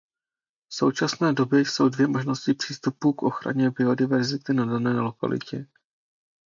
V současné době jsou dvě možnosti přístupu k ochraně biodiverzity na dané lokalitě.